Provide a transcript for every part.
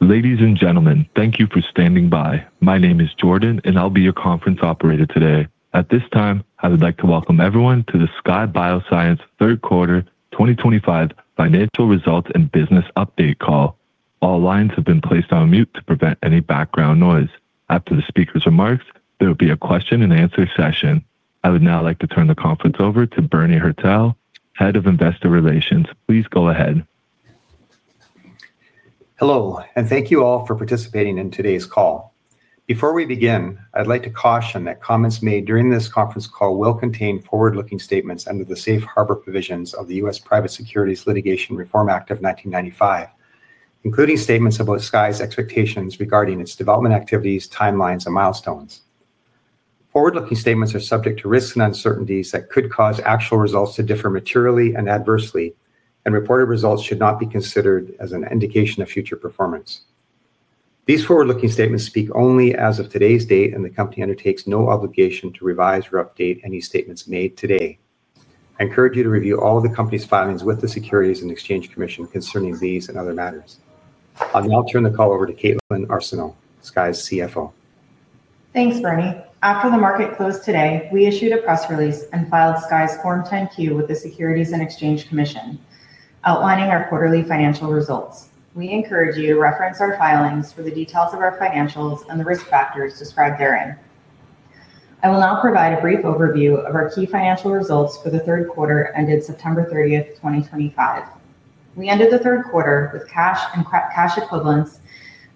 Ladies and gentlemen, thank you for standing by. My name is Jordan, and I'll be your conference operator today. At this time, I would like to welcome everyone to the Skye Bioscience Q3 2025 financial results and business update call. All lines have been placed on mute to prevent any background noise. After the speaker's remarks, there will be a question-and-answer session. I would now like to turn the conference over to Bernie Hertel, Head of Investor Relations. Please go ahead. Hello, and thank you all for participating in today's call. Before we begin, I'd like to caution that comments made during this conference call will contain forward-looking statements under the Safe Harbor Provisions of the U.S. Private Securities Litigation Reform Act of 1995, including statements about Skye's expectations regarding its development activities, timelines, and milestones. Forward-looking statements are subject to risks and uncertainties that could cause actual results to differ materially and adversely, and reported results should not be considered as an indication of future performance. These forward-looking statements speak only as of today's date, and the company undertakes no obligation to revise or update any statements made today. I encourage you to review all of the company's filings with the Securities and Exchange Commission concerning these and other matters. I'll now turn the call over to Kaitlyn Arsenault, Skye's CFO. Thanks, Bernie. After the market closed today, we issued a press release and filed Skye's Form 10-Q with the Securities and Exchange Commission, outlining our quarterly financial results. We encourage you to reference our filings for the details of our financials and the risk factors described therein. I will now provide a brief overview of our key financial results for the Q3 ended September 30, 2025. We ended the Q3 with cash and cash equivalents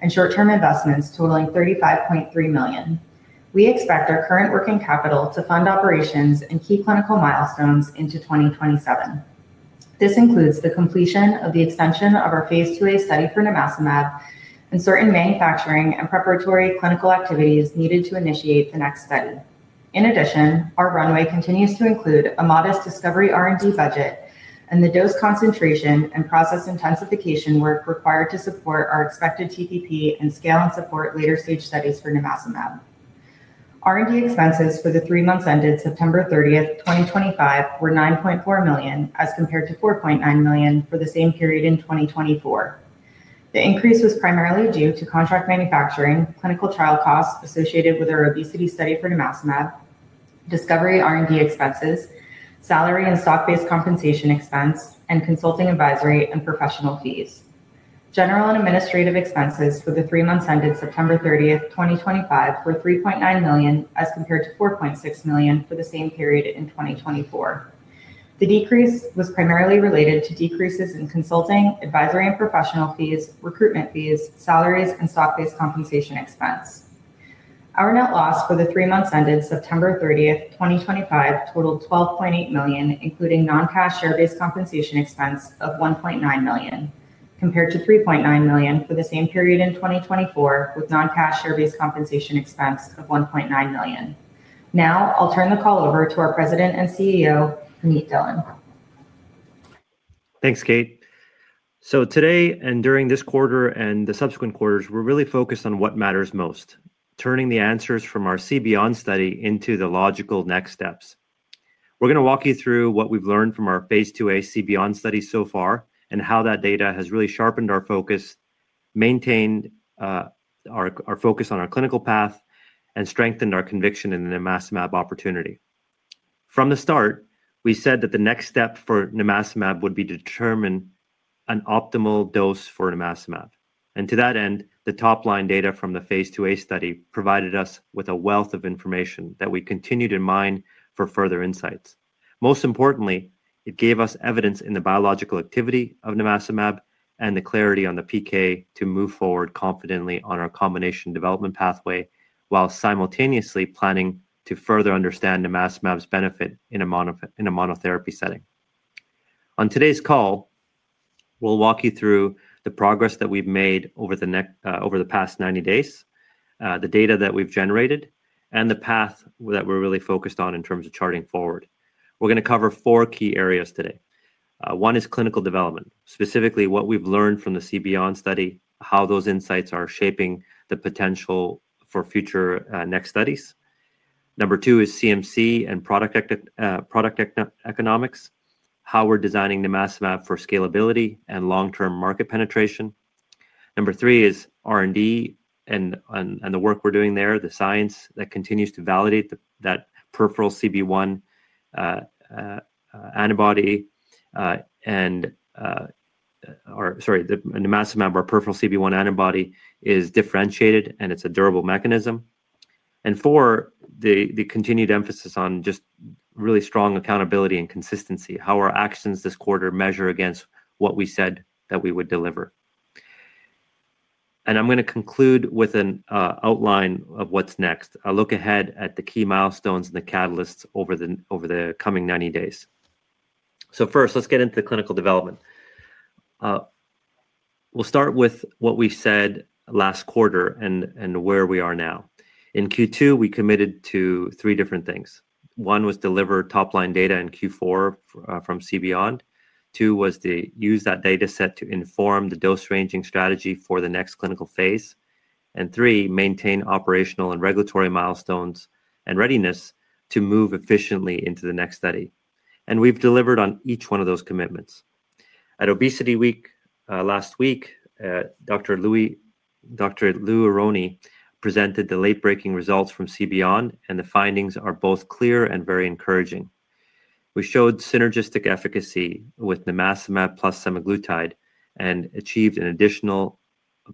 and short-term investments totaling $35.3 million. We expect our current working capital to fund operations and key clinical milestones into 2027. This includes the completion of the extension of our phase II-A study for nimacimab and certain manufacturing and preparatory clinical activities needed to initiate the next study. In addition, our runway continues to include a modest discovery R&D budget and the dose concentration and process intensification work required to support our expected TPP and scale and support later-stage studies for nimacimab. R&D expenses for the three months ended September 30, 2025, were $9.4 million as compared to $4.9 million for the same period in 2024. The increase was primarily due to contract manufacturing, clinical trial costs associated with our obesity study for nimacimab, discovery R&D expenses, salary and stock-based compensation expense, and consulting, advisory, and professional fees. General and administrative expenses for the three months ended September 30th, 2025, were $3.9 million as compared to $4.6 million for the same period in 2024. The decrease was primarily related to decreases in consulting, advisory, and professional fees, recruitment fees, salaries, and stock-based compensation expense. Our net loss for the three months ended September 30th, 2025, totaled $12.8 million, including non-cash share-based compensation expense of $1.9 million, compared to $3.9 million for the same period in 2024, with non-cash share-based compensation expense of $1.9 million. Now, I'll turn the call over to our President and CEO, Punit Dhillon. Thanks, Kate. Today and during this quarter and the subsequent quarters, we're really focused on what matters most: turning the answers from our CBeyond study into the logical next steps. We're going to walk you through what we've learned from our phase II-A CBeyond study so far and how that data has really sharpened our focus, maintained our focus on our clinical path, and strengthened our conviction in the nimacimab opportunity. From the start, we said that the next step for nimacimab would be to determine an optimal dose for nimacimab. To that end, the top-line data from the phase II-A study provided us with a wealth of information that we continued to mine for further insights. Most importantly, it gave us evidence in the biological activity of nimacimab and the clarity on the PK to move forward confidently on our combination development pathway while simultaneously planning to further understand nimacimab's benefit in a monotherapy setting. On today's call, we'll walk you through the progress that we've made over the past 90 days, the data that we've generated, and the path that we're really focused on in terms of charting forward. We're going to cover four key areas today. One is clinical development, specifically what we've learned from the CBeyond study, how those insights are shaping the potential for future next studies. Number two is CMC and product economics, how we're designing nimacimab for scalability and long-term market penetration. Number three is R&D and the work we're doing there, the science that continues to validate that peripheral CB1 antibody, and, sorry, the nimacimab, our peripheral CB1 antibody, is differentiated and it's a durable mechanism. Four, the continued emphasis on just really strong accountability and consistency, how our actions this quarter measure against what we said that we would deliver. I'm going to conclude with an outline of what's next, a look ahead at the key milestones and the catalysts over the coming 90 days. First, let's get into the clinical development. We'll start with what we said last quarter and where we are now. In Q2, we committed to three different things. One was deliver top-line data in Q4 from CBeyond. Two was to use that data set to inform the dose ranging strategy for the next clinical phase. Three, maintain operational and regulatory milestones and readiness to move efficiently into the next study. We have delivered on each one of those commitments. At Obesity Week last week, Dr. Louis Aronne presented the late-breaking results from CBeyond, and the findings are both clear and very encouraging. We showed synergistic efficacy with nimacimab plus semaglutide and achieved an additional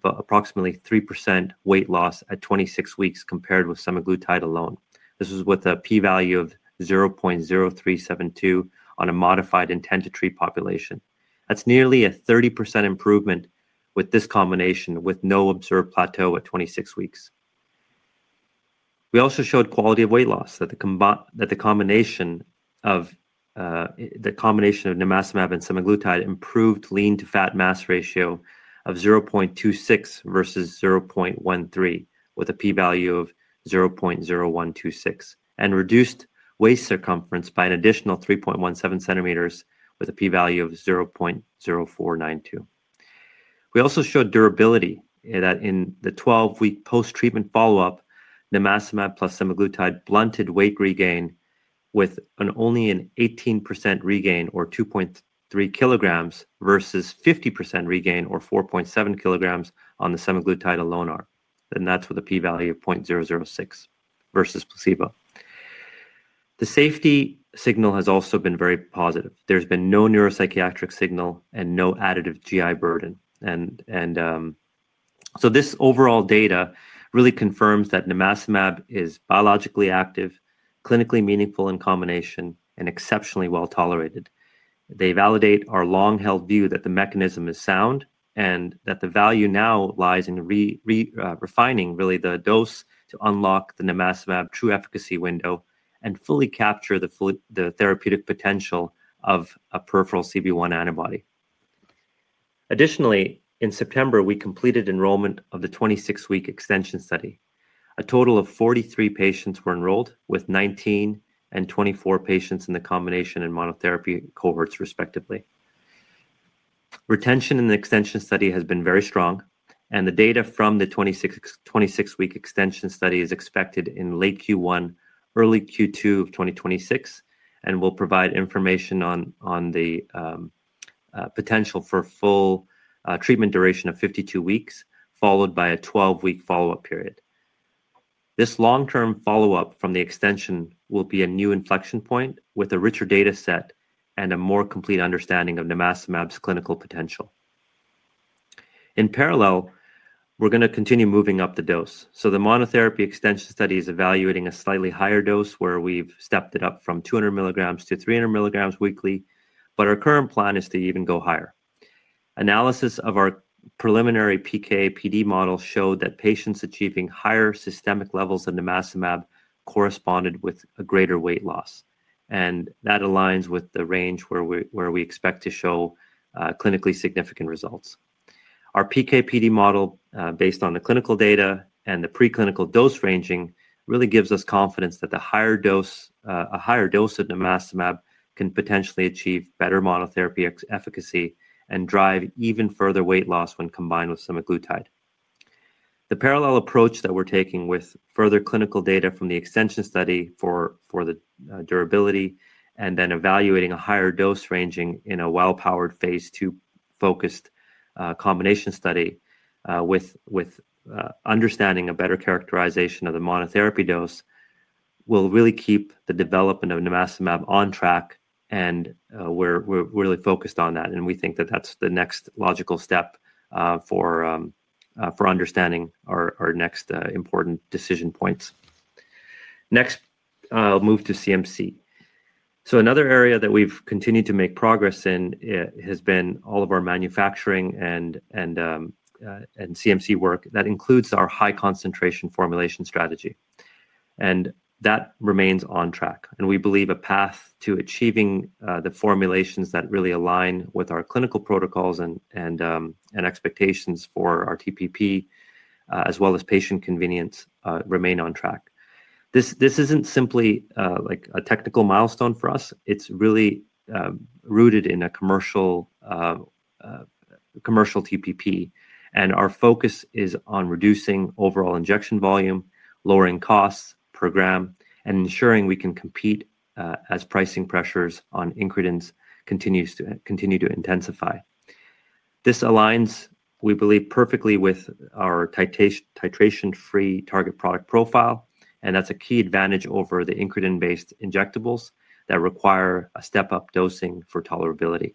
approximately 3% weight loss at 26 weeks compared with semaglutide alone. This was with a p-value of 0.0372 on a modified intent to treat population. That is nearly a 30% improvement with this combination, with no observed plateau at 26 weeks. We also showed quality of weight loss, that the combination of nimacimab and semaglutide improved lean-to-fat mass ratio of 0.26 versus 0.13, with a p-value of 0.0126, and reduced waist circumference by an additional 3.17 centimeters, with a p-value of 0.0492. We also showed durability that in the 12-week post-treatment follow-up, nimacimab plus semaglutide blunted weight regain with only an 18% regain, or 2.3 kg, versus 50% regain, or 4.7 kg, on the semaglutide alone, and that's with a p-value of 0.006 versus placebo. The safety signal has also been very positive. There's been no neuropsychiatric signal and no additive GI burden. This overall data really confirms that nimacimab is biologically active, clinically meaningful in combination, and exceptionally well tolerated. They validate our long-held view that the mechanism is sound and that the value now lies in refining, really, the dose to unlock the nimacimab true efficacy window and fully capture the therapeutic potential of a peripheral CB1 antibody. Additionally, in September, we completed enrollment of the 26-week extension study. A total of 43 patients were enrolled, with 19 and 24 patients in the combination and monotherapy cohorts, respectively. Retention in the extension study has been very strong, and the data from the 26-week extension study is expected in late Q1, early Q2 of 2026, and will provide information on the potential for full treatment duration of 52 weeks, followed by a 12-week follow-up period. This long-term follow-up from the extension will be a new inflection point with a richer data set and a more complete understanding of nimacimab's clinical potential. In parallel, we're going to continue moving up the dose. The monotherapy extension study is evaluating a slightly higher dose, where we've stepped it up from 200 mg to 300 mg weekly, but our current plan is to even go higher. Analysis of our preliminary PK/PD model showed that patients achieving higher systemic levels of nimacimab corresponded with a greater weight loss, and that aligns with the range where we expect to show clinically significant results. Our PK/PD model, based on the clinical data and the preclinical dose ranging, really gives us confidence that a higher dose of nimacimab can potentially achieve better monotherapy efficacy and drive even further weight loss when combined with semaglutide. The parallel approach that we're taking with further clinical data from the extension study for the durability and then evaluating a higher dose ranging in a well-powered phase II-focused combination study with understanding a better characterization of the monotherapy dose will really keep the development of nimacimab on track, and we're really focused on that, and we think that that's the next logical step for understanding our next important decision points. Next, I'll move to CMC. Another area that we've continued to make progress in has been all of our manufacturing and CMC work that includes our high-concentration formulation strategy. That remains on track, and we believe a path to achieving the formulations that really align with our clinical protocols and expectations for our TPP, as well as patient convenience, remain on track. This is not simply a technical milestone for us. It is really rooted in a commercial TPP, and our focus is on reducing overall injection volume, lowering costs per gram, and ensuring we can compete as pricing pressures on incretins continue to intensify. This aligns, we believe, perfectly with our titration-free target product profile, and that is a key advantage over the incretin-based injectables that require a step-up dosing for tolerability.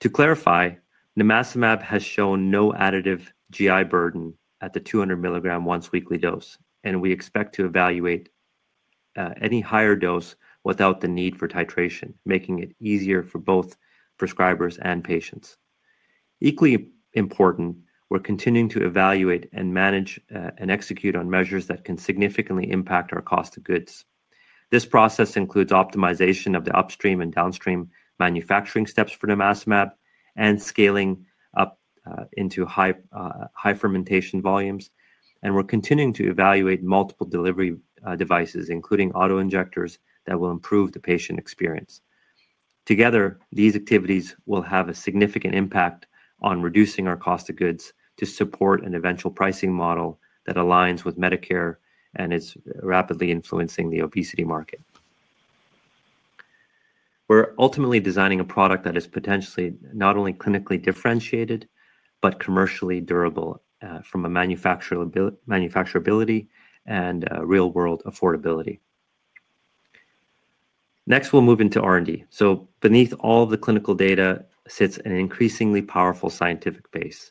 To clarify, nimacimab has shown no additive GI burden at the 200 mg once-weekly dose, and we expect to evaluate any higher dose without the need for titration, making it easier for both prescribers and patients. Equally important, we're continuing to evaluate and manage and execute on measures that can significantly impact our cost of goods. This process includes optimization of the upstream and downstream manufacturing steps for nimacimab and scaling up into high-fermentation volumes, and we're continuing to evaluate multiple delivery devices, including auto injectors, that will improve the patient experience. Together, these activities will have a significant impact on reducing our cost of goods to support an eventual pricing model that aligns with Medicare and is rapidly influencing the obesity market. We're ultimately designing a product that is potentially not only clinically differentiated but commercially durable from a manufacturability and real-world affordability. Next, we'll move into R&D. So beneath all of the clinical data sits an increasingly powerful scientific base.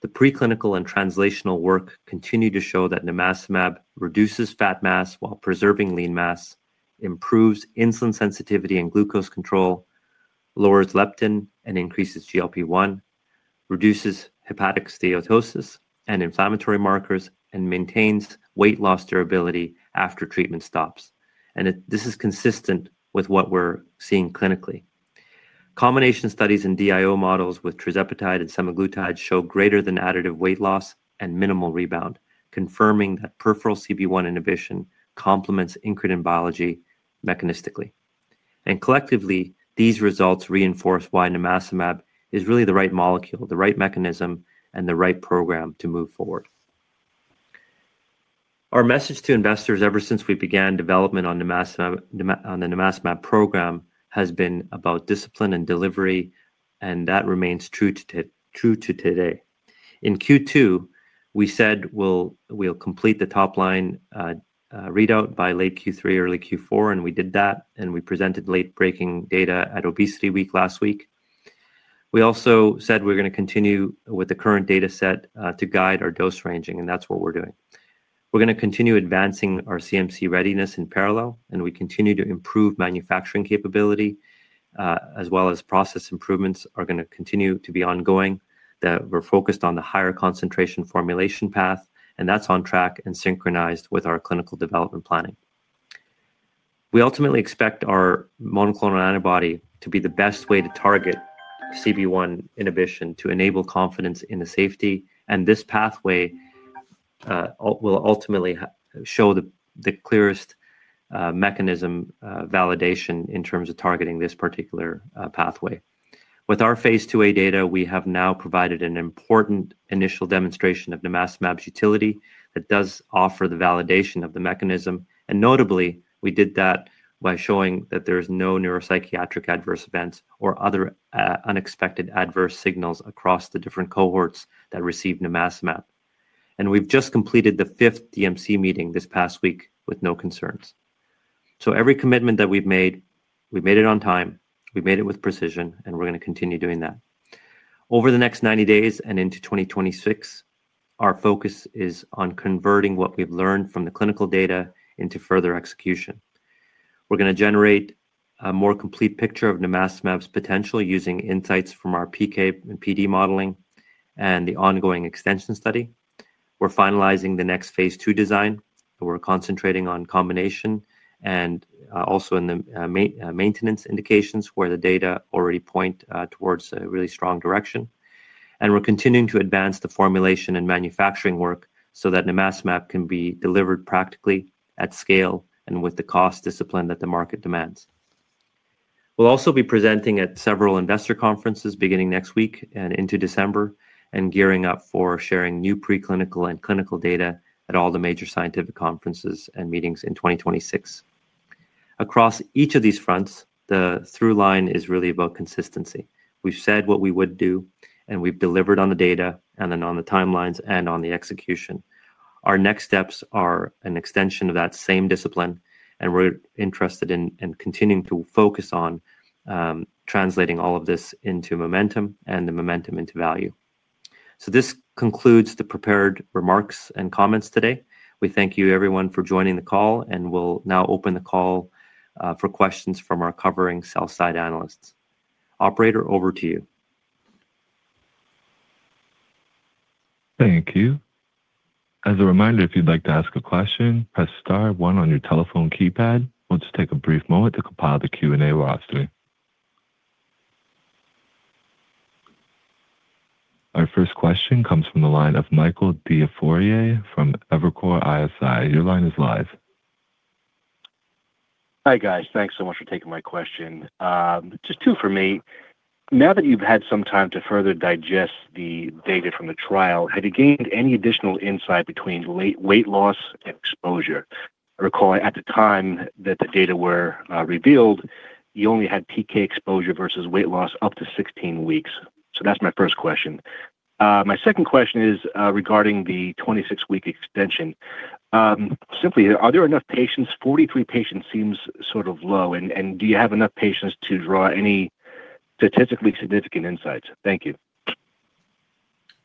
The preclinical and translational work continue to show that nimacimab reduces fat mass while preserving lean mass, improves insulin sensitivity and glucose control, lowers leptin and increases GLP-1, reduces hepatic steatosis and inflammatory markers, and maintains weight loss durability after treatment stops. This is consistent with what we're seeing clinically. Combination studies in DIO models with tirzepatide and semaglutide show greater than additive weight loss and minimal rebound, confirming that peripheral CB1 inhibition complements incretin biology mechanistically. Collectively, these results reinforce why nimacimab is really the right molecule, the right mechanism, and the right program to move forward. Our message to investors ever since we began development on the nimacimab program has been about discipline and delivery, and that remains true to today. In Q2, we said we'll complete the top-line readout by late Q3, early Q4, and we did that, and we presented late-breaking data at Obesity Week last week. We also said we're going to continue with the current data set to guide our dose ranging, and that's what we're doing. We're going to continue advancing our CMC readiness in parallel, and we continue to improve manufacturing capability, as well as process improvements are going to continue to be ongoing. We're focused on the higher concentration formulation path, and that's on track and synchronized with our clinical development planning. We ultimately expect our monoclonal antibody to be the best way to target CB1 inhibition to enable confidence in the safety, and this pathway will ultimately show the clearest mechanism validation in terms of targeting this particular pathway. With our phase II-A data, we have now provided an important initial demonstration of nimacimab's utility that does offer the validation of the mechanism, and notably, we did that by showing that there's no neuropsychiatric adverse events or other unexpected adverse signals across the different cohorts that receive nimacimab. We have just completed the fifth DMC meeting this past week with no concerns. Every commitment that we've made, we've made it on time, we've made it with precision, and we're going to continue doing that. Over the next 90 days and into 2026, our focus is on converting what we've learned from the clinical data into further execution. We're going to generate a more complete picture of nimacimab's potential using insights from our PK/PD modeling and the ongoing extension study. We're finalizing the next phase II design, and we're concentrating on combination and also in the maintenance indications where the data already point towards a really strong direction. We're continuing to advance the formulation and manufacturing work so that nimacimab can be delivered practically at scale and with the cost discipline that the market demands. We'll also be presenting at several investor conferences beginning next week and into December and gearing up for sharing new preclinical and clinical data at all the major scientific conferences and meetings in 2026. Across each of these fronts, the through line is really about consistency. We've said what we would do, and we've delivered on the data and then on the timelines and on the execution. Our next steps are an extension of that same discipline, and we're interested in continuing to focus on translating all of this into momentum and the momentum into value. This concludes the prepared remarks and comments today. We thank you, everyone, for joining the call, and we'll now open the call for questions from our covering cell site analysts. Operator, over to you. Thank you. As a reminder, if you'd like to ask a question, press star one on your telephone keypad. We'll just take a brief moment to compile the Q&A we're asking. Our first question comes from the line of Michael DiFiore from Evercore ISI. Your line is live. Hi, guys. Thanks so much for taking my question. Just two for me. Now that you've had some time to further digest the data from the trial, have you gained any additional insight between weight loss and exposure? I recall at the time that the data were revealed, you only had PK exposure versus weight loss up to 16 weeks. That's my first question. My second question is regarding the 26-week extension. Simply, are there enough patients? 43 patients seems sort of low. And do you have enough patients to draw any statistically significant insights? Thank you.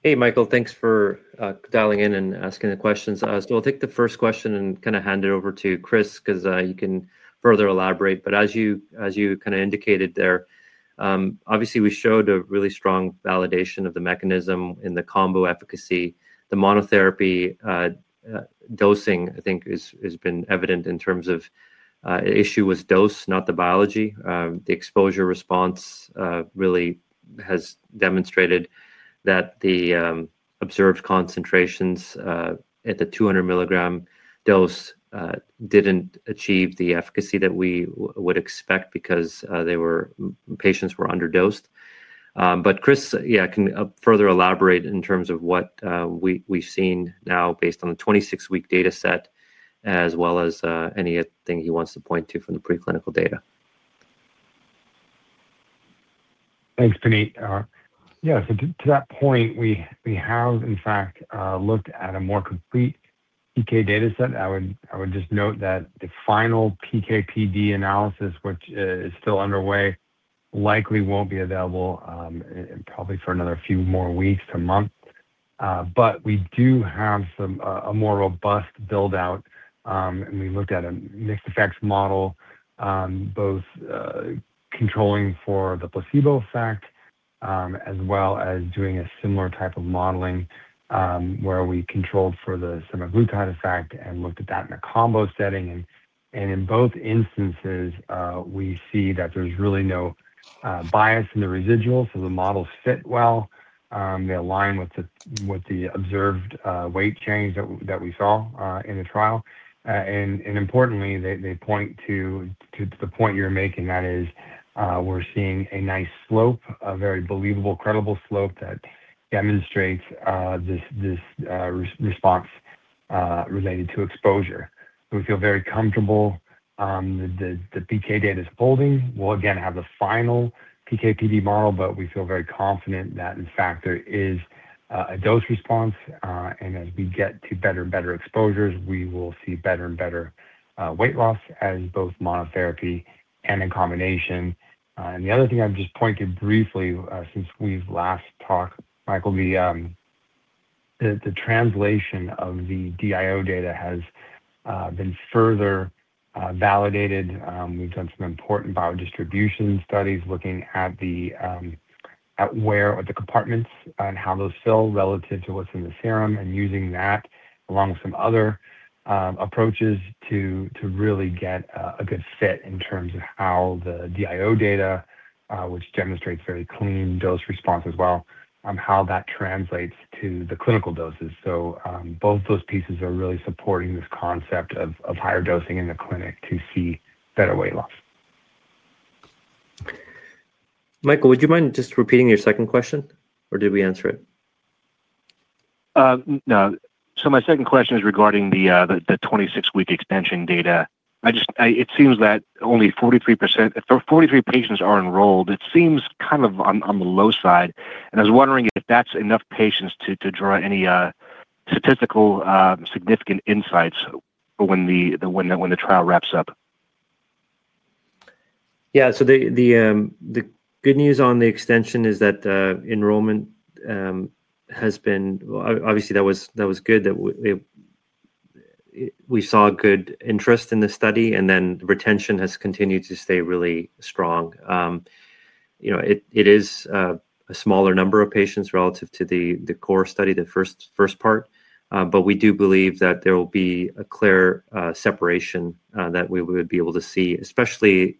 Hey, Michael. Thanks for dialing in and asking the questions. I'll take the first question and kind of hand it over to Chris because he can further elaborate. As you kind of indicated there, obviously, we showed a really strong validation of the mechanism in the combo efficacy. The monotherapy dosing, I think, has been evident in terms of the issue was dose, not the biology. The exposure response really has demonstrated that the observed concentrations at the 200 mg dose did not achieve the efficacy that we would expect because patients were underdosed. Chris can further elaborate in terms of what we've seen now based on the 26-week data set, as well as anything he wants to point to from the preclinical data. Thanks, Puneet. Yeah, so to that point, we have, in fact, looked at a more complete PK data set. I would just note that the final PK/PD analysis, which is still underway, likely will not be available probably for another few more weeks to months. But we do have a more robust buildout, and we looked at a mixed effects model, both controlling for the placebo effect as well as doing a similar type of modeling where we controlled for the semaglutide effect and looked at that in a combo setting. In both instances, we see that there is really no bias in the residuals, so the models fit well. They align with the observed weight change that we saw in the trial. Importantly, they point to the point you are making, that is, we are seeing a nice slope, a very believable, credible slope that demonstrates this response related to exposure. We feel very comfortable. The PK data is holding. We'll, again, have the final PK/PD model, but we feel very confident that, in fact, there is a dose response. As we get to better and better exposures, we will see better and better weight loss as both monotherapy and in combination. The other thing I've just pointed briefly since we've last talked, Michael, the translation of the DIO data has been further validated. We've done some important biodistribution studies looking at the compartments and how those fill relative to what's in the serum and using that along with some other approaches to really get a good fit in terms of how the DIO data, which demonstrates very clean dose response as well, how that translates to the clinical doses. Both those pieces are really supporting this concept of higher dosing in the clinic to see better weight loss. Michael, would you mind just repeating your second question, or did we answer it? No. So my second question is regarding the 26-week extension data. It seems that only 43 patients are enrolled. It seems kind of on the low side. I was wondering if that's enough patients to draw any statistical significant insights when the trial wraps up. Yeah. The good news on the extension is that enrollment has been—obviously, that was good that we saw good interest in the study, and retention has continued to stay really strong. It is a smaller number of patients relative to the core study, the first part, but we do believe that there will be a clear separation that we would be able to see, especially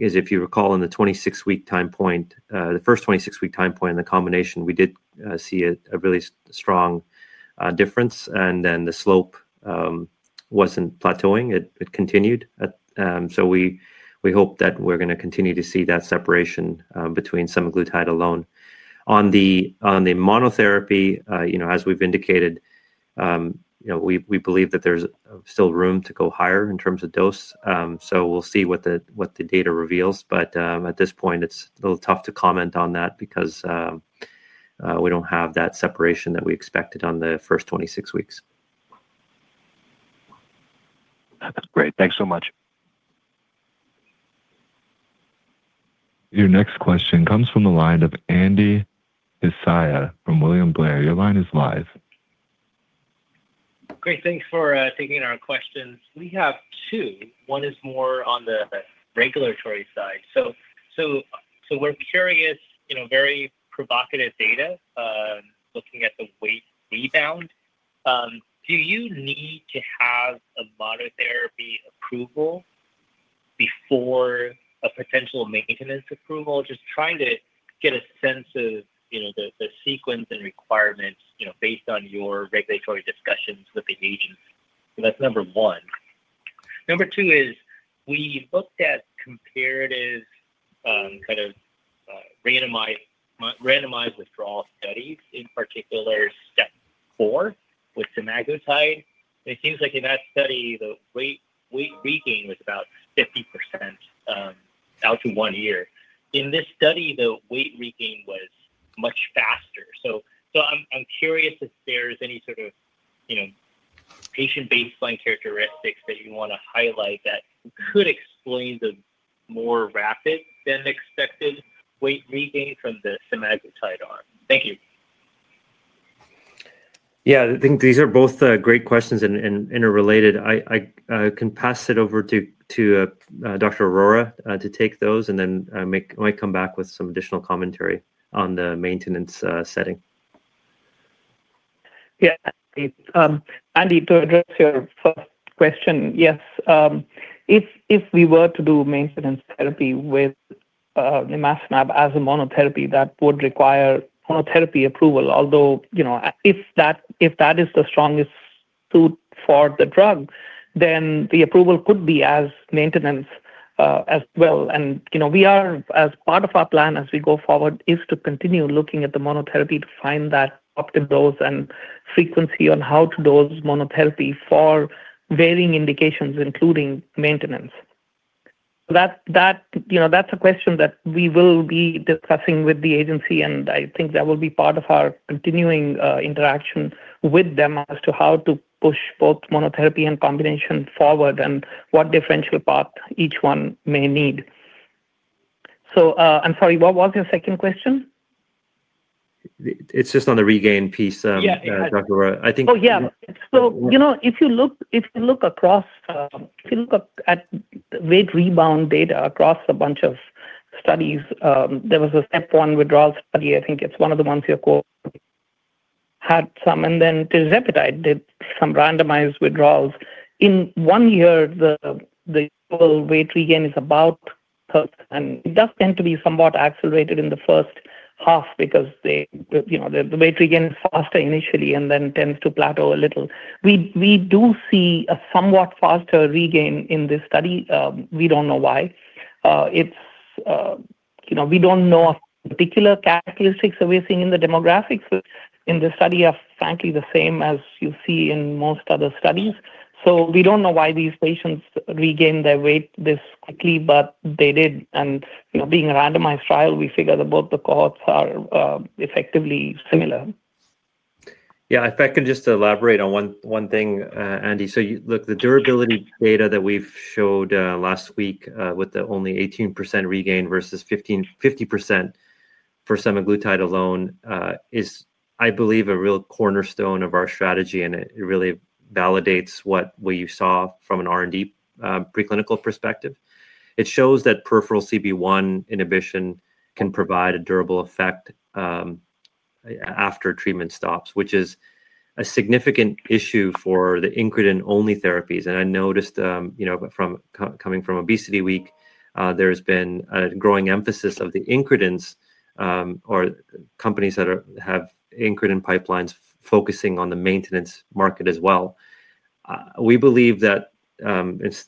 as if you recall in the 26-week time point, the first 26-week time point in the combination, we did see a really strong difference, and the slope was not plateauing. It continued. We hope that we are going to continue to see that separation between semaglutide alone. On the monotherapy, as we have indicated, we believe that there is still room to go higher in terms of dose. We will see what the data reveals. At this point, it's a little tough to comment on that because we don't have that separation that we expected on the first 26 weeks. That's great. Thanks so much. Your next question comes from the line of Andy Hsieh from William Blair. Your line is live. Great. Thanks for taking our questions. We have two. One is more on the regulatory side. We're curious, very provocative data looking at the weight rebound. Do you need to have a monotherapy approval before a potential maintenance approval? Just trying to get a sense of the sequence and requirements based on your regulatory discussions with the agents. That's number one. Number two is we looked at comparative kind of randomized withdrawal studies, in particular step four with semaglutide. It seems like in that study, the weight regain was about 50% out to one year. In this study, the weight regain was much faster. I'm curious if there's any sort of patient baseline characteristics that you want to highlight that could explain the more rapid than expected weight regain from the semaglutide arm. Thank you. Yeah. I think these are both great questions and interrelated. I can pass it over to Dr. Arora to take those, and then I might come back with some additional commentary on the maintenance setting. Yeah. Andy, to address your first question, yes. If we were to do maintenance therapy with nimacimab as a monotherapy, that would require monotherapy approval. Although if that is the strongest suit for the drug, then the approval could be as maintenance as well. As part of our plan as we go forward is to continue looking at the monotherapy to find that optimal dose and frequency on how to dose monotherapy for varying indications, including maintenance. That is a question that we will be discussing with the agency, and I think that will be part of our continuing interaction with them as to how to push both monotherapy and combination forward and what differential path each one may need. I'm sorry, what was your second question? It's just on the regain piece, Dr. Arora. I think. Oh, yeah. If you look at weight rebound data across a bunch of studies, there was a STEP 1 withdrawal study. I think it's one of the ones your cohort had some. Tirzepatide did some randomized withdrawals. In one year, the weight regain is about. It does tend to be somewhat accelerated in the first half because the weight regain is faster initially and then tends to plateau a little. We do see a somewhat faster regain in this study. We don't know why. We don't know of particular characteristics that we're seeing in the demographics, which in the study are frankly the same as you see in most other studies. We don't know why these patients regained their weight this quickly, but they did. Being a randomized trial, we figure that both the cohorts are effectively similar. Yeah. If I can just elaborate on one thing, Andy. Look, the durability data that we showed last week with the only 18% regain versus 50% for semaglutide alone is, I believe, a real cornerstone of our strategy, and it really validates what you saw from an R&D preclinical perspective. It shows that peripheral CB1 inhibition can provide a durable effect after treatment stops, which is a significant issue for the incretin-only therapies. I noticed coming from ObesityWeek, there has been a growing emphasis of the incretins or companies that have incretin pipelines focusing on the maintenance market as well. We believe that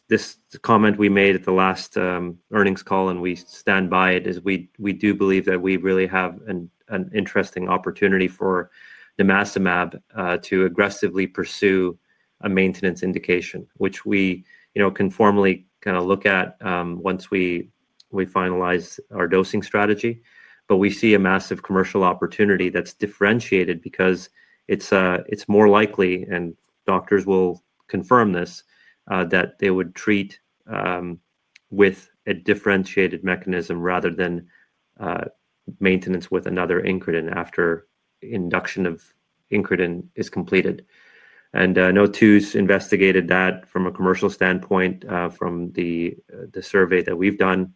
this comment we made at the last earnings call, and we stand by it, is we do believe that we really have an interesting opportunity for nimacimab to aggressively pursue a maintenance indication, which we can formally kind of look at once we finalize our dosing strategy. We see a massive commercial opportunity that is differentiated because it is more likely, and doctors will confirm this, that they would treat with a differentiated mechanism rather than maintenance with another incretin after induction of incretin is completed. I know Tu's investigated that from a commercial standpoint from the survey that we have done,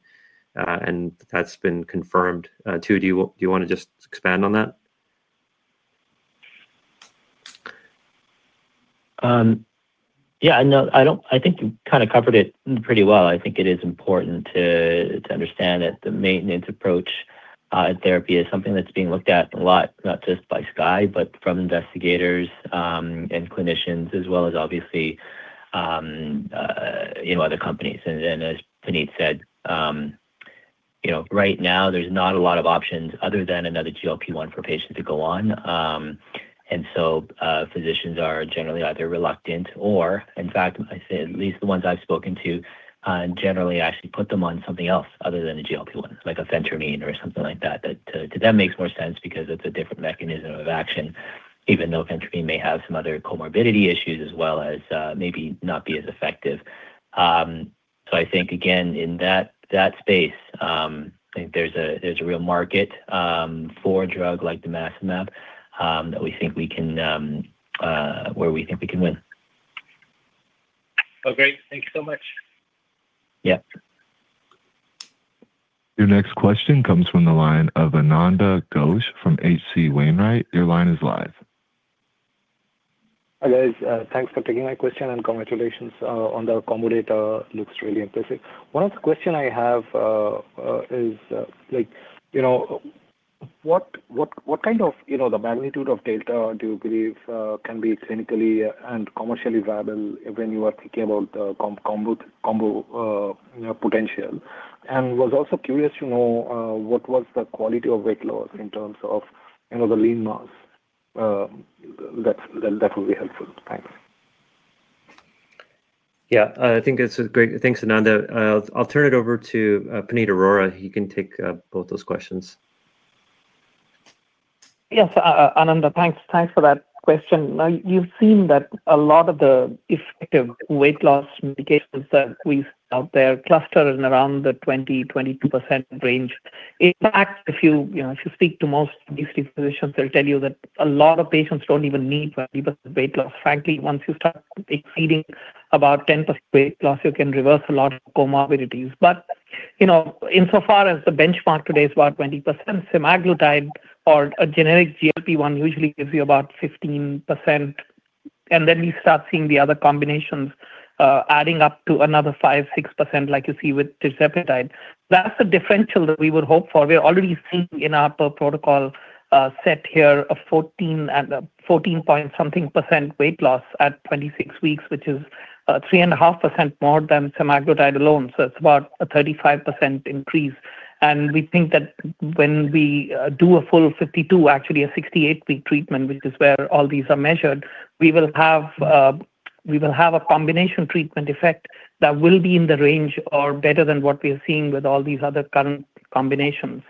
and that has been confirmed. Tu, do you want to just expand on that? Yeah. I think you kind of covered it pretty well. I think it is important to understand that the maintenance approach therapy is something that's being looked at a lot, not just by Skye, but from investigators and clinicians, as well as obviously other companies. As Puneet said, right now, there's not a lot of options other than another GLP-1 for patients to go on. Physicians are generally either reluctant or, in fact, I say at least the ones I've spoken to generally actually put them on something else other than a GLP-1, like a phentermine or something like that. To them, it makes more sense because it's a different mechanism of action, even though phentermine may have some other comorbidity issues as well as maybe not be as effective. I think, again, in that space, I think there's a real market for a drug like nimacimab that we think we can, where we think we can win. Okay. Thanks so much. Yep. Your next question comes from the line of Ananda Ghosh from H.C. Wainwright. Your line is live. Hi guys. Thanks for taking my question, and congratulations on the accommodator. Looks really impressive. One of the questions I have is what kind of the magnitude of delta do you believe can be clinically and commercially viable when you are thinking about the combo potential? I was also curious to know what was the quality of weight loss in terms of the lean mass. That will be helpful. Thanks. Yeah. I think that's great, thanks, Ananda. I'll turn it over to Puneet Arora. He can take both those questions. Yes, Ananda. Thanks for that question. You've seen that a lot of the effective weight loss medications that we have out there cluster in around the 20%-22% range. In fact, if you speak to most obesity physicians, they'll tell you that a lot of patients do not even need 20% weight loss. Frankly, once you start exceeding about 10% weight loss, you can reverse a lot of comorbidities. Insofar as the benchmark today is about 20%, semaglutide or a generic GLP-1 usually gives you about 15%. We start seeing the other combinations adding up to another 5%-6% like you see with tirzepatide. That is the differential that we would hope for. We're already seeing in our protocol set here a 14-point something percent weight loss at 26 weeks, which is 3.5% more than semaglutide alone. It is about a 35% increase. We think that when we do a full 52, actually a 68-week treatment, which is where all these are measured, we will have a combination treatment effect that will be in the range or better than what we are seeing with all these other current combinations.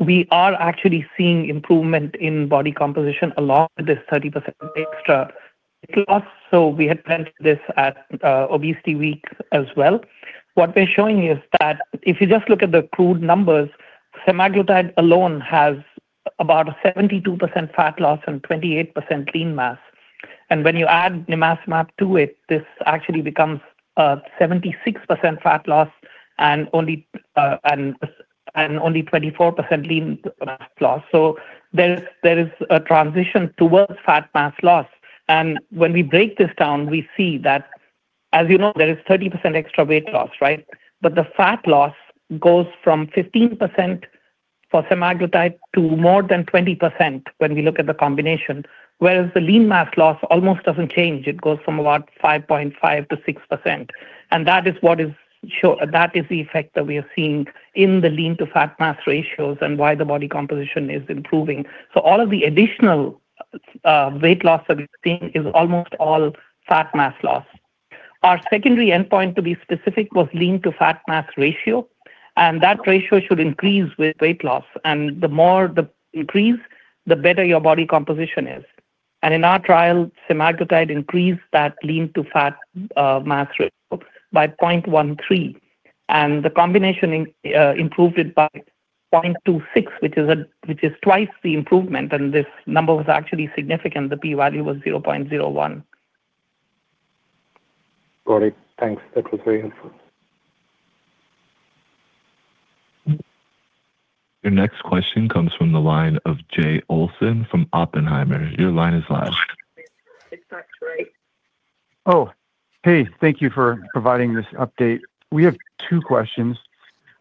We are actually seeing improvement in body composition along with this 30% extra weight loss. We had planned this at ObesityWeek as well. What we are showing is that if you just look at the crude numbers, semaglutide alone has about a 72% fat loss and 28% lean mass. When you add nimacimab to it, this actually becomes a 76% fat loss and only 24% lean loss. There is a transition towards fat mass loss. When we break this down, we see that, as you know, there is 30% extra weight loss, right? The fat loss goes from 15% for semaglutide to more than 20% when we look at the combination, whereas the lean mass loss almost does not change. It goes from about 5.5%-6%. That is what is the effect that we are seeing in the lean to fat mass ratios and why the body composition is improving. All of the additional weight loss that we are seeing is almost all fat mass loss. Our secondary endpoint, to be specific, was lean to fat mass ratio. That ratio should increase with weight loss. The more the increase, the better your body composition is. In our trial, semaglutide increased that lean to fat mass ratio by 0.13. The combination improved it by 0.26, which is twice the improvement. This number was actually significant. The p-value was 0.01. Got it. Thanks. That was very helpful. Your next question comes from the line of Jay Olson from Oppenheimer. Your line is live. Oh, hey. Thank you for providing this update. We have two questions.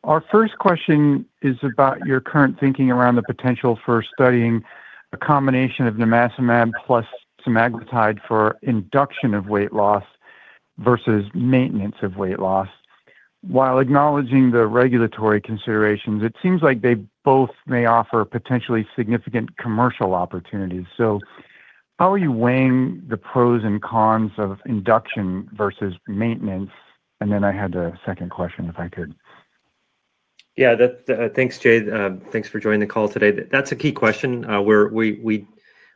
Our first question is about your current thinking around the potential for studying a combination of nimacimab plus semaglutide for induction of weight loss versus maintenance of weight loss. While acknowledging the regulatory considerations, it seems like they both may offer potentially significant commercial opportunities. How are you weighing the pros and cons of induction versus maintenance? I had a second question, if I could. Yeah. Thanks, Jay. Thanks for joining the call today. That's a key question.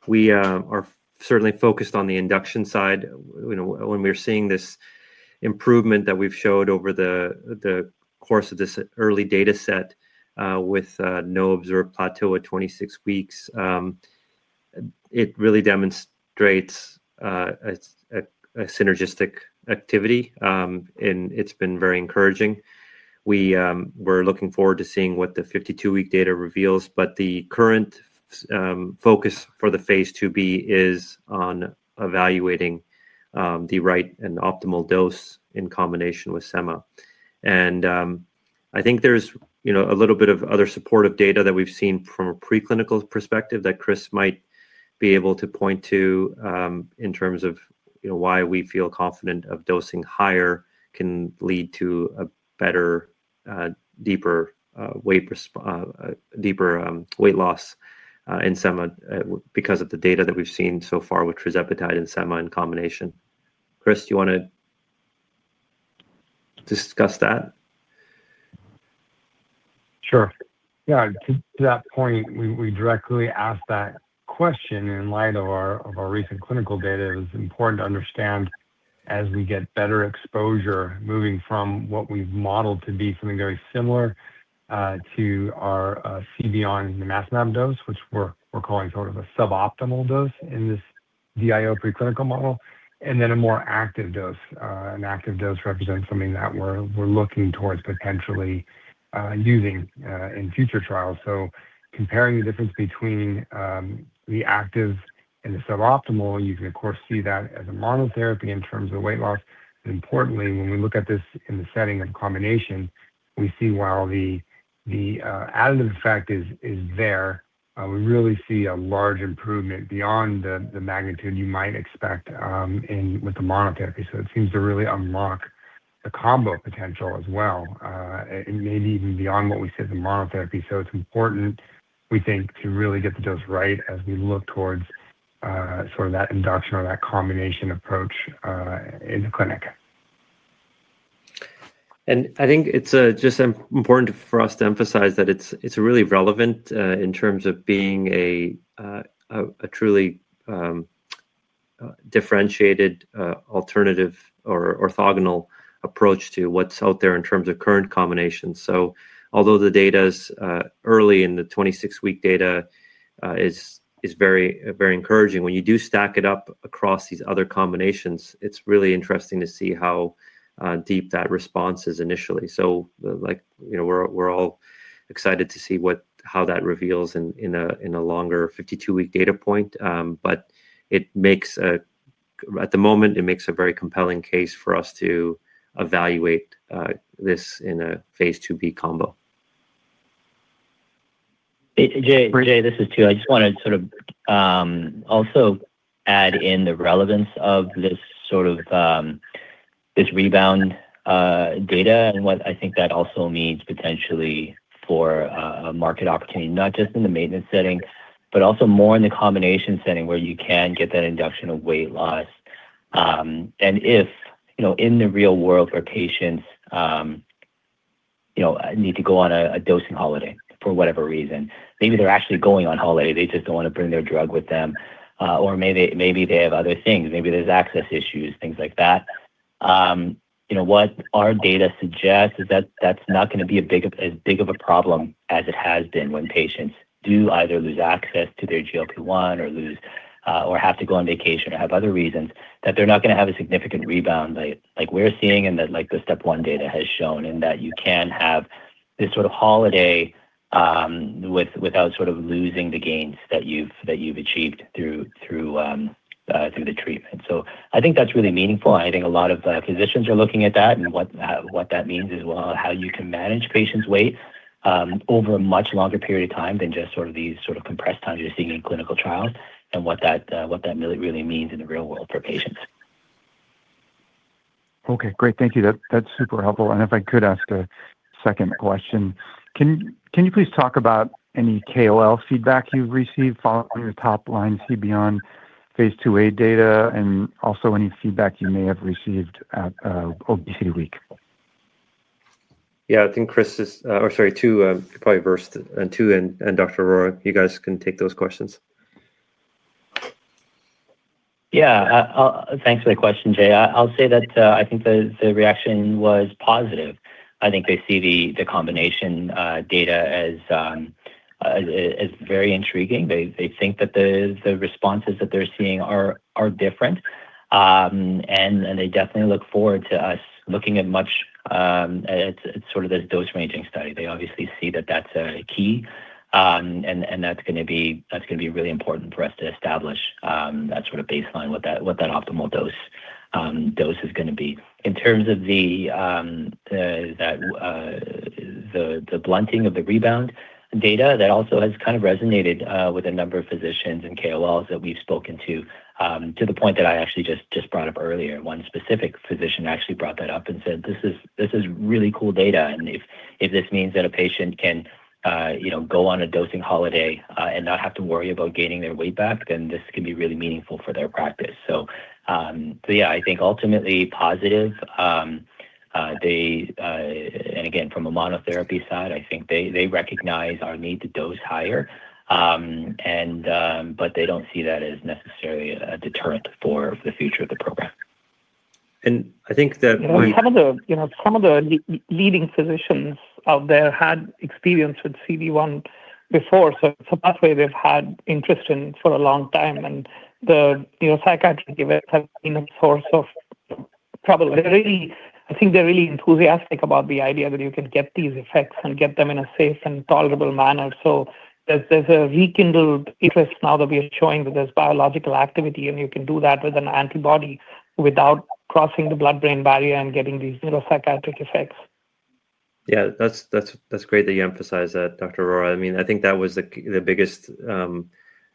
We are certainly focused on the induction side when we're seeing this improvement that we've showed over the course of this early dataset with no observed plateau at 26 weeks. It really demonstrates a synergistic activity, and it's been very encouraging. We're looking forward to seeing what the 52-week data reveals. The current focus for the phase II-B is on evaluating the right and optimal dose in combination with sema. I think there's a little bit of other supportive data that we've seen from a preclinical perspective that Chris might be able to point to in terms of why we feel confident that dosing higher can lead to a better, deeper weight loss in sema because of the data that we've seen so far with tirzepatide and sema in combination. Chris, do you want to discuss that? Sure. Yeah. To that point, we directly asked that question in light of our recent clinical data. It was important to understand, as we get better exposure, moving from what we've modeled to be something very similar to our CB1 nimacimab dose, which we're calling sort of a suboptimal dose in this DIO preclinical model, and then a more active dose. An active dose represents something that we're looking towards potentially using in future trials. Comparing the difference between the active and the suboptimal, you can, of course, see that as a monotherapy in terms of weight loss. Importantly, when we look at this in the setting of combination, we see while the additive effect is there, we really see a large improvement beyond the magnitude you might expect with the monotherapy. It seems to really unlock the combo potential as well, maybe even beyond what we see with the monotherapy. It is important, we think, to really get the dose right as we look towards sort of that induction or that combination approach in the clinic. I think it's just important for us to emphasize that it's really relevant in terms of being a truly differentiated alternative or orthogonal approach to what's out there in terms of current combinations. Although the data's early and the 26-week data is very encouraging, when you do stack it up across these other combinations, it's really interesting to see how deep that response is initially. We're all excited to see how that reveals in a longer 52-week data point. At the moment, it makes a very compelling case for us to evaluate this in a phase II-B combo. Jay, this is Tu. I just want to sort of also add in the relevance of this rebound data and what I think that also means potentially for a market opportunity, not just in the maintenance setting, but also more in the combination setting where you can get that induction of weight loss. If in the real world where patients need to go on a dosing holiday for whatever reason, maybe they are actually going on holiday. They just do not want to bring their drug with them. Or maybe they have other things. Maybe there are access issues, things like that. What our data suggests is that that's not going to be as big of a problem as it has been when patients do either lose access to their GLP-1 or have to go on vacation or have other reasons, that they're not going to have a significant rebound like we're seeing and that the step one data has shown, and that you can have this sort of holiday without sort of losing the gains that you've achieved through the treatment. I think that's really meaningful. I think a lot of physicians are looking at that. What that means is, how you can manage patients' weight over a much longer period of time than just sort of these sort of compressed times you're seeing in clinical trials and what that really means in the real world for patients. Okay. Great. Thank you. That's super helpful. If I could ask a second question, can you please talk about any KOL feedback you've received following the top line CB1 phase II-A data and also any feedback you may have received at ObesityWeek? Yeah. I think Chris is—or sorry, Tu probably first, and Tu and Dr. Arora. You guys can take those questions. Yeah. Thanks for the question, Jay. I'll say that I think the reaction was positive. I think they see the combination data as very intriguing. They think that the responses that they're seeing are different. They definitely look forward to us looking at much at sort of this dose ranging study. They obviously see that that's a key. That's going to be really important for us to establish that sort of baseline, what that optimal dose is going to be. In terms of the blunting of the rebound data, that also has kind of resonated with a number of physicians and KOLs that we've spoken to to the point that I actually just brought up earlier. One specific physician actually brought that up and said, "This is really cool data. If this means that a patient can go on a dosing holiday and not have to worry about gaining their weight back, then this can be really meaningful for their practice. Yeah, I think ultimately positive. Again, from a monotherapy side, I think they recognize our need to dose higher, but they do not see that as necessarily a deterrent for the future of the program. I think that. Some of the leading physicians out there had experience with CB1 before. It is a pathway they've had interest in for a long time. The psychiatric events have been a source of trouble. I think they're really enthusiastic about the idea that you can get these effects and get them in a safe and tolerable manner. There is a rekindled interest now that we are showing that there's biological activity, and you can do that with an antibody without crossing the blood-brain barrier and getting these neuropsychiatric effects. Yeah. That's great that you emphasize that, Dr. Arora. I mean, I think that was the biggest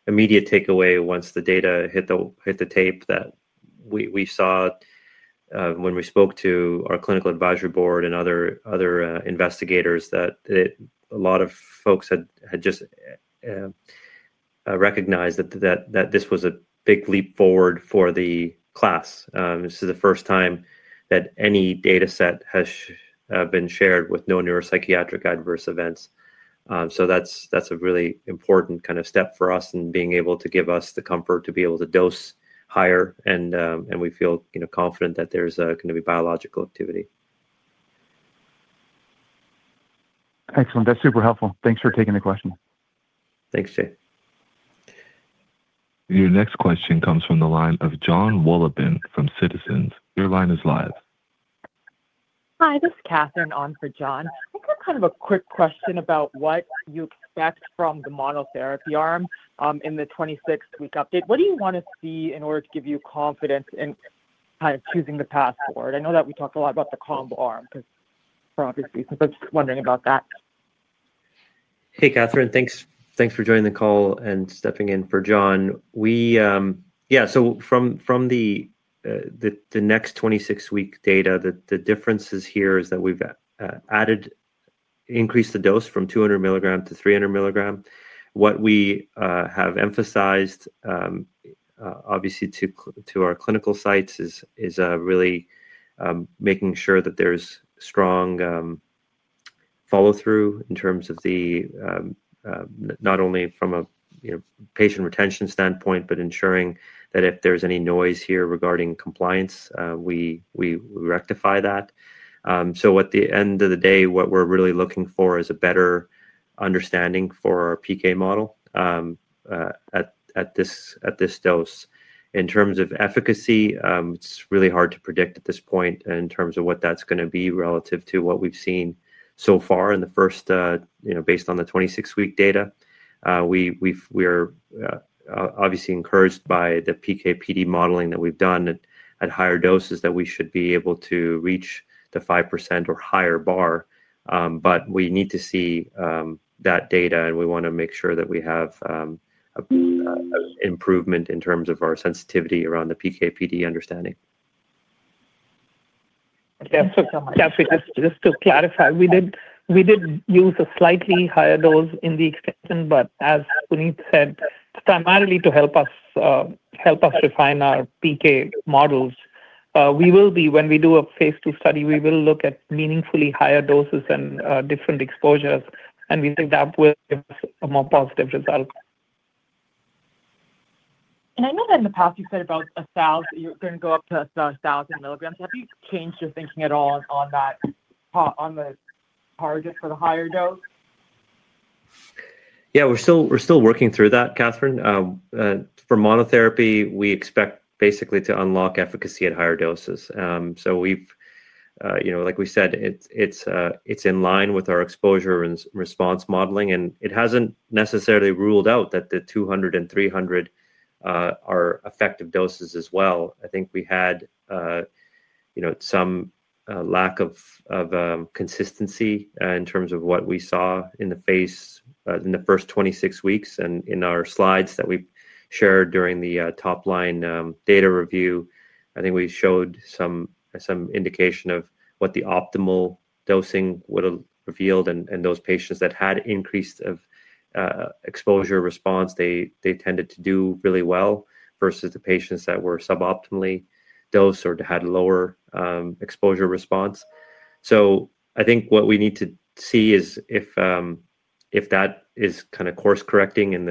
immediate takeaway once the data hit the tape that we saw when we spoke to our clinical advisory board and other investigators that a lot of folks had just recognized that this was a big leap forward for the class. This is the first time that any dataset has been shared with no neuropsychiatric adverse events. That's a really important kind of step for us in being able to give us the comfort to be able to dose higher. We feel confident that there's going to be biological activity. Excellent. That's super helpful. Thanks for taking the question. Thanks, Jay. Your next question comes from the line of Jon Wolleben from Citizens. Your line is live. Hi. This is Katherine on for Jon. I think I have kind of a quick question about what you expect from the monotherapy arm in the 26-week update. What do you want to see in order to give you confidence in kind of choosing the path forward? I know that we talked a lot about the combo arm for obvious reasons. I'm just wondering about that. Hey, Katherine. Thanks for joining the call and stepping in for Jon. Yeah. From the next 26-week data, the difference here is that we've increased the dose from 200 mg to 300 mg. What we have emphasized, obviously, to our clinical sites is really making sure that there's strong follow-through in terms of not only from a patient retention standpoint, but ensuring that if there's any noise here regarding compliance, we rectify that. At the end of the day, what we're really looking for is a better understanding for our PK model at this dose. In terms of efficacy, it's really hard to predict at this point in terms of what that's going to be relative to what we've seen so far in the first based on the 26-week data. We are obviously encouraged by the PK/PD modeling that we've done at higher doses that we should be able to reach the 5% or higher bar. We need to see that data, and we want to make sure that we have an improvement in terms of our sensitivity around the PK/PD understanding. Just to clarify, we did use a slightly higher dose in the extension, but as Puneet said, primarily to help us refine our PK models. When we do a phase II study, we will look at meaningfully higher doses and different exposures. We think that will give us a more positive result. I know that in the past you said about a thousand that you're going to go up to about 1,000 mg. Have you changed your thinking at all on the target for the higher dose? Yeah. We're still working through that, Katherine. For monotherapy, we expect basically to unlock efficacy at higher doses. Like we said, it's in line with our exposure and response modeling. It hasn't necessarily ruled out that the 200 and 300 are effective doses as well. I think we had some lack of consistency in terms of what we saw in the first 26 weeks. In our slides that we shared during the top line data review, I think we showed some indication of what the optimal dosing would have revealed. Those patients that had increased exposure response, they tended to do really well versus the patients that were suboptimally dosed or had lower exposure response. I think what we need to see is if that is kind of course correcting in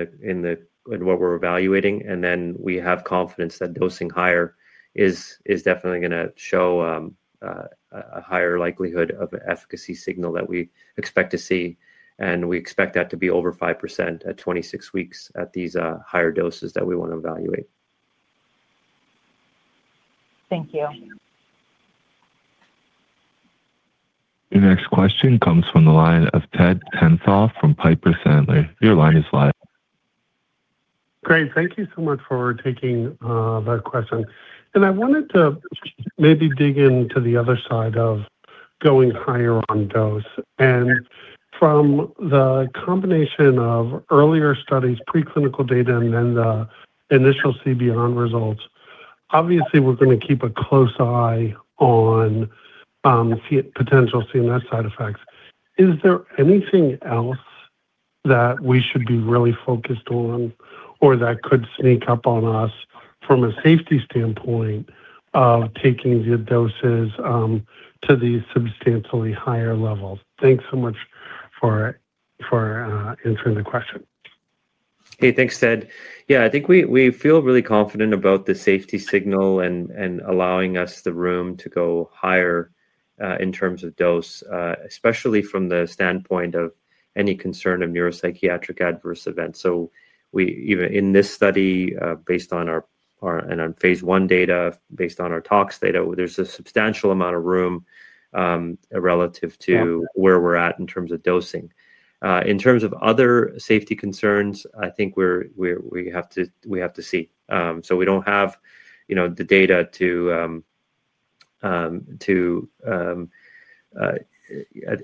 what we're evaluating. We have confidence that dosing higher is definitely going to show a higher likelihood of an efficacy signal that we expect to see. We expect that to be over 5% at 26 weeks at these higher doses that we want to evaluate. Thank you. Your next question comes from the line of Ted Tenthoff from Piper Sandler. Your line is live. Great. Thank you so much for taking that question. I wanted to maybe dig into the other side of going higher on dose. From the combination of earlier studies, preclinical data, and then the initial CB1 results, obviously, we're going to keep a close eye on potential CNS side effects. Is there anything else that we should be really focused on or that could sneak up on us from a safety standpoint of taking the doses to these substantially higher levels? Thanks so much for answering the question. Hey, thanks, Ted. Yeah. I think we feel really confident about the safety signal and allowing us the room to go higher in terms of dose, especially from the standpoint of any concern of neuropsychiatric adverse events. In this study, based on our phase I data, based on our tox data, there's a substantial amount of room relative to where we're at in terms of dosing. In terms of other safety concerns, I think we have to see. We do not have the data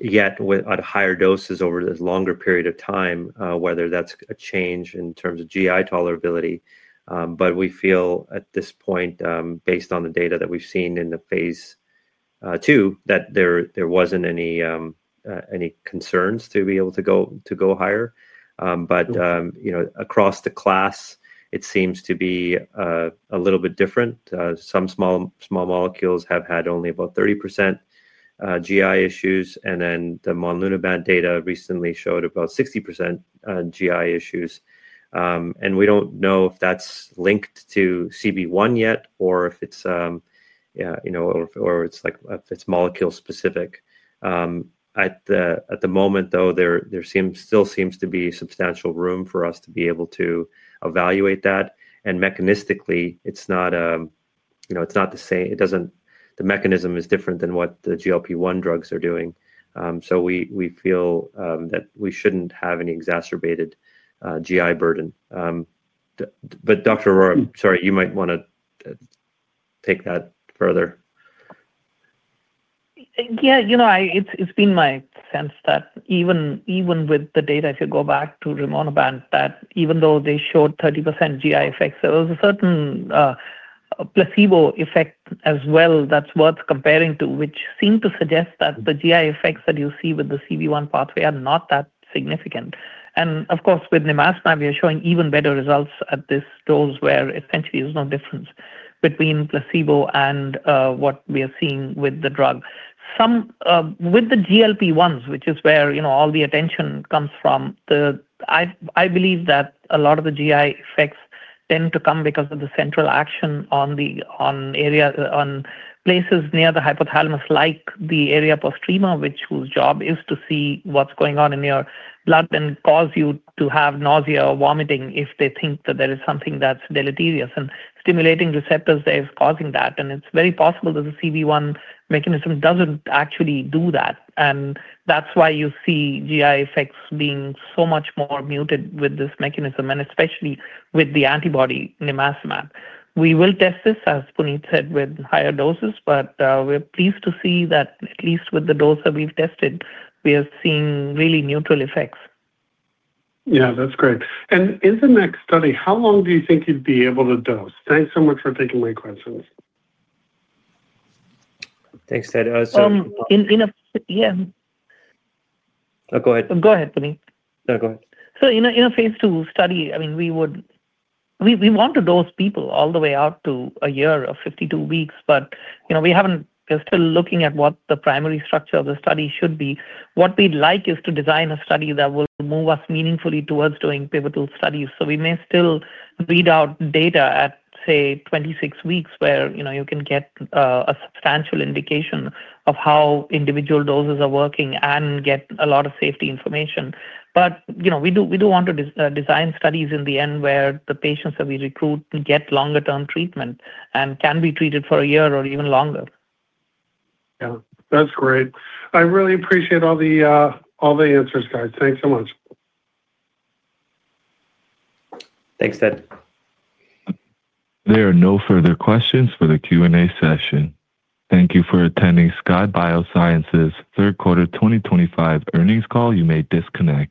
yet at higher doses over this longer period of time, whether that's a change in terms of GI tolerability. We feel at this point, based on the data that we've seen in the phase II, that there was not any concerns to be able to go higher. Across the class, it seems to be a little bit different. Some small molecules have had only about 30% GI issues. Then the monlunabant data recently showed about 60% GI issues. We do not know if that is linked to CB1 yet or if it is molecule specific. At the moment, though, there still seems to be substantial room for us to be able to evaluate that. Mechanistically, it is not the same. The mechanism is different than what the GLP-1 drugs are doing. We feel that we should not have any exacerbated GI burden. Dr. Arora, sorry, you might want to take that further. Yeah. It's been my sense that even with the data, if you go back to rimonabant, that even though they showed 30% GI effects, there was a certain placebo effect as well that's worth comparing to, which seemed to suggest that the GI effects that you see with the CB1 pathway are not that significant. Of course, with nimacimab, we are showing even better results at this dose where essentially there's no difference between placebo and what we are seeing with the drug. With the GLP-1s, which is where all the attention comes from, I believe that a lot of the GI effects tend to come because of the central action on places near the hypothalamus, like the area postrema, whose job is to see what's going on in your blood and cause you to have nausea or vomiting if they think that there is something that's deleterious. Stimulating receptors are causing that. It is very possible that the CB1 mechanism does not actually do that. That is why you see GI effects being so much more muted with this mechanism, and especially with the antibody nimacimab. We will test this, as Punit said, with higher doses. We are pleased to see that at least with the dose that we have tested, we are seeing really neutral effects. Yeah. That's great. In the next study, how long do you think you'd be able to dose? Thanks so much for taking my questions. Thanks, Ted. Yeah. Oh, go ahead. Go ahead, Punit. No, go ahead. In a phase II study, I mean, we want to dose people all the way out to a year of 52 weeks. But we're still looking at what the primary structure of the study should be. What we'd like is to design a study that will move us meaningfully towards doing pivotal studies. So we may still read out data at, say, 26 weeks where you can get a substantial indication of how individual doses are working and get a lot of safety information. But we do want to design studies in the end where the patients that we recruit get longer-term treatment and can be treated for a year or even longer. Yeah. That's great. I really appreciate all the answers, guys. Thanks so much. Thanks, Ted. There are no further questions for the Q&A session. Thank you for attending Skye Bioscience's third quarter 2025 earnings call. You may disconnect.